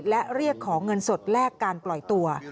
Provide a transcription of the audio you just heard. และเรียกขอเงินสดแลกการปล่อยตัว